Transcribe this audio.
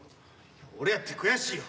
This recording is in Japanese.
俺やって悔しいよ。